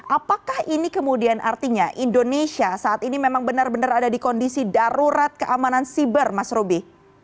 apakah ini kemudian artinya indonesia saat ini memang benar benar ada di kondisi darurat keamanan siber mas ruby